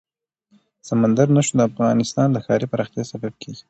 سمندر نه شتون د افغانستان د ښاري پراختیا سبب کېږي.